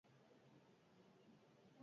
Aurkikuntzaren berri abuztuan eman zen.